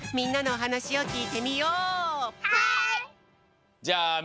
はい。